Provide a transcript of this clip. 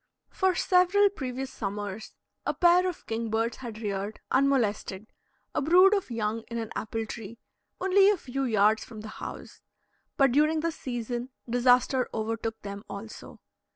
For several previous summers a pair of kingbirds had reared, unmolested, a brood of young in an apple tree, only a few yards from the house; but during this season disaster overtook them also.